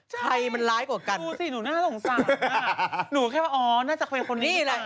ใจมันร้ายกว่ากันดูสิหนูน่าสงสารหนูแค่ว่าอ๋อน่าจะเป็นคนนี่แหละ